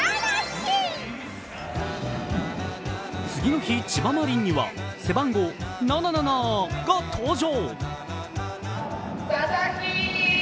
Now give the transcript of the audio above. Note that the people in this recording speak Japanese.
次の日、千葉マリンには背番号７７７７が登場。